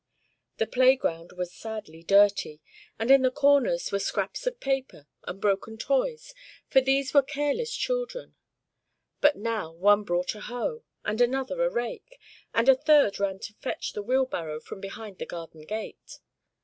The playground was sadly dirty, and in the corners were scraps of paper and broken toys, for these were careless children. But now, one brought a hoe, and another a rake, and a third ran to fetch the wheelbarrow from behind the garden gate.